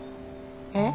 えっ？